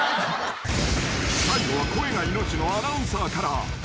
［最後は声が命のアナウンサーから］